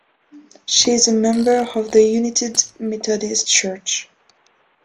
She is a member of The United Methodist Church.